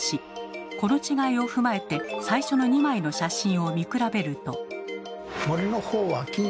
この違いを踏まえて最初の２枚の写真を見比べると。